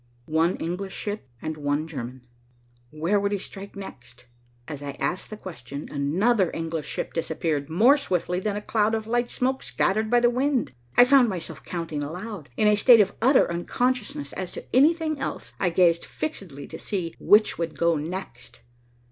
One English ship and one German. Where would he strike next? As I asked the question, another English ship disappeared more swiftly than a cloud of light smoke scattered by the wind. I found myself counting aloud. In a state of utter unconsciousness as to anything else, I gazed fixedly to see which would go next.